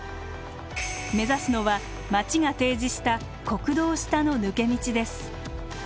目指すのは町が提示した国道下の抜け道です。